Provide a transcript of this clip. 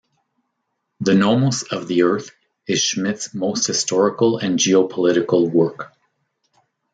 "The Nomos of the Earth" is Schmitt's most historical and geopolitical work.